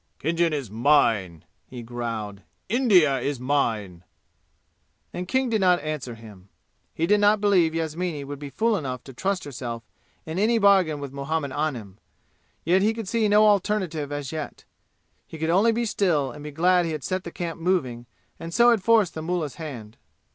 "Khinjan is mine!" he growled. "India is mine!" And King did not answer him. He did not believe Yasmini would be fool enough to trust herself in any bargain with Muhammad Anim. Yet he could see no alternative as yet. He could only be still and be glad he had set the camp moving and so had forced the mullah's hand.